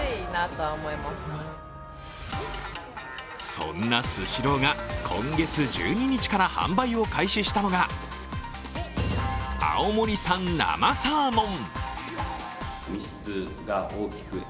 そんなスシローが今月１２日から販売を開始したのが青森産生サーモン。